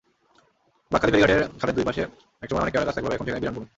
বাঁকখালী ফেরিঘাটের খালের দুই পাশে একসময় অনেক কেওড়াগাছ থাকলেও এখন সেখানে বিরান ভূমি।